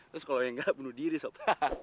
terus kalo enggak bunuh diri sob